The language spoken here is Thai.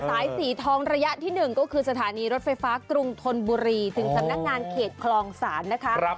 สายสีทองระยะที่๑ก็คือสถานีรถไฟฟ้ากรุงธนบุรีถึงสำนักงานเขตคลองศาลนะคะ